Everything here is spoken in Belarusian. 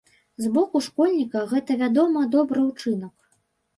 З боку школьніка, гэта, вядома, добры ўчынак.